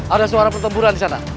ada suara pertempuran disana